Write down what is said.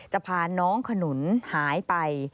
พาน้องขนุนหายไป